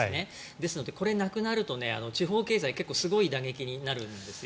ですのでこれがなくなると地方経済すごい打撃になるんです。